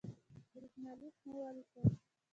برېښنالک مو ولیکئ